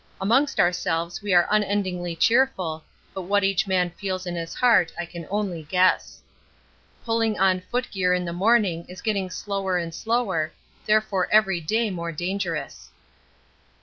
Amongst ourselves we are unendingly cheerful, but what each man feels in his heart I can only guess. Pulling on foot gear in the morning is getter slower and slower, therefore every day more dangerous.